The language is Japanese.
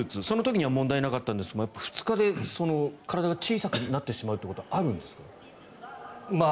その時には問題なかったんですが２日で体が小さくなってしまうということはあるんですか？